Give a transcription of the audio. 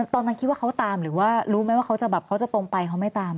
ตอนนั้นคิดว่าเขาตามหรือว่ารู้ไหมว่าเขาจะแบบเขาจะตรงไปเขาไม่ตาม